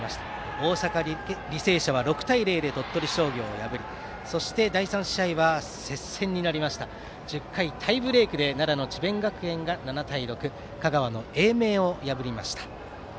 大阪・履正社は６対０で鳥取商業を破り第３試合は接戦になりましたが１０回タイブレークで智弁学園が７対６と香川の英明を破りました。